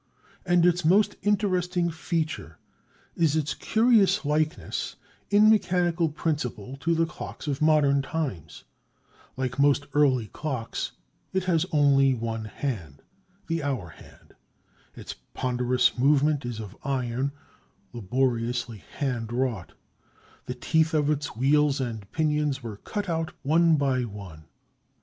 And its most interesting feature is its curious likeness in mechanical principle to the clocks of modern times. Like most early clocks, it has only one hand—the hour hand. Its ponderous movement is of iron, laboriously hand wrought; the teeth of its wheels and pinions were cut out one by one.